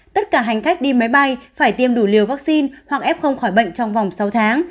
tất cả hành khách đi máy bay phải tiêm đủ liều vaccine hoặc f không khỏi bệnh trong vòng sáu tháng